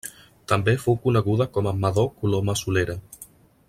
També fou coneguda com a Madò Coloma Solera.